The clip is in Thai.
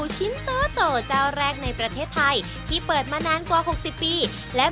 จิตย่าจิตย่าจิตย่า